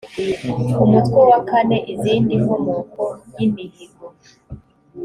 umutwe wa kane izindi nkomoko yimihigo